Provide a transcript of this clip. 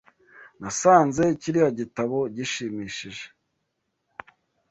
Nasanze kiriya gitabo gishimishije.